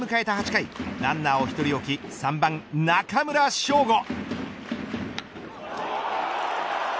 ８回ランナーを１人置き３番、中村奨吾。